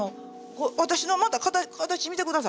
私のまた形見てください。